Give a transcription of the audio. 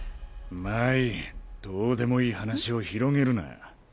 真依どうでもいい話を広げるな。